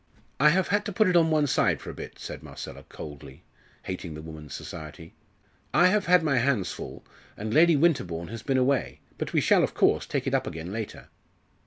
"I have had to put it on one side for a bit," said Marcella, coldly, hating the woman's society. "I have had my hands full and Lady Winterbourne has been away, but we shall, of course, take it up again later."